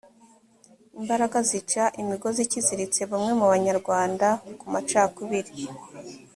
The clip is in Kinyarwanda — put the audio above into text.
imbaraga zica imigozi ikiziritse bamwe mu banyarwanda ku macakubiri